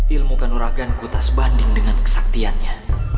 ilmukan uragan kutas banding dengan kesaktiannya